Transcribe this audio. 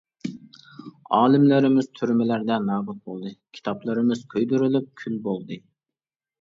ئالىملىرىمىز تۈرمىلەردە نابۇت بولدى، كىتابلىرىمىز كۆيدۈرۈلۈپ كۈل بولدى.